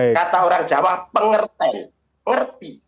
kata orang jawa pengertian